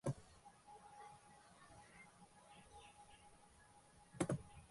পূর্বতন বঙ্গীয় সভ্যতাকে তারা উন্নত করে তোলেন।